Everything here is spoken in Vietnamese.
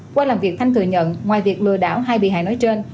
qua làm việc thanh thừa nhận ngoài việc lừa đảo hai bị hại nói trên